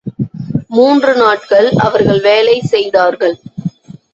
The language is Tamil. மூன்று நாட்கள் அவர்கள் வேலை செய்தார்கள்.